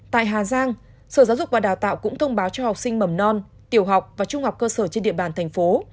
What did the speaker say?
tại hà giang sở giáo dục và đào tạo cũng thông báo cho học sinh mầm non tiểu học và trung học cơ sở trên địa bàn thành phố